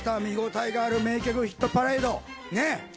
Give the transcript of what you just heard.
見応えがある名曲ヒットパレードねぇ。